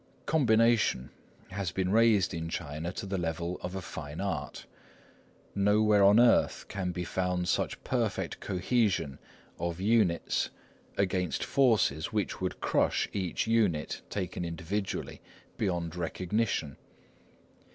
Combination has been raised in China to the level of a fine art. Nowhere on earth can be found such perfect cohesion of units against forces which would crush each unit, taken individually, beyond recognition.